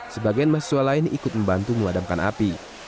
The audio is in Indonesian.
sebagian mahasiswa lain ikut membantu memadamkan api